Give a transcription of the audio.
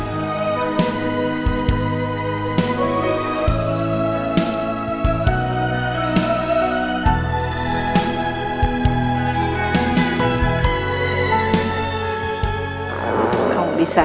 sayang coba deh